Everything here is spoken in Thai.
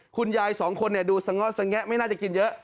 คุณยายสองคนดูสะเงาะสงแงะไม่น่าจะกินเยอะ